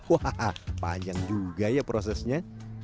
wah panjang juga ya prosesnya